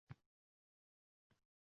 Taraladi zavq-surur.